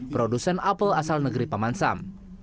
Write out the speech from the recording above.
produsen apple asal negeri pemansam